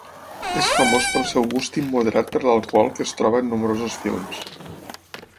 És famós pel seu gust immoderat per l'alcohol que es troba en nombrosos films.